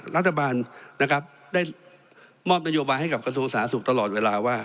รัฐบาลได้มอบนโยบายให้กับกระทรวงศาสุทธิ์ตลอดเวลาว่า